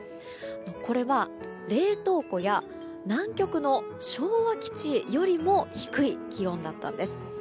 これは、冷凍庫や南極の昭和基地よりも低い気温だったんです。